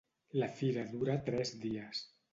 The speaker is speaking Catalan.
La fira dura tres dies.